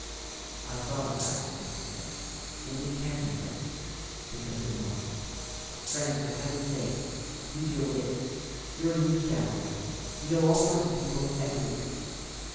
"I thought of that," Lucy said, "and it can be done, because it must. Frank, for heaven's sake, use your wits! You're a newsgatherer. You know all sorts of people everywhere."